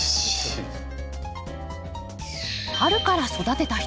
春から育てた人